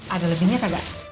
ada lebihnya kagak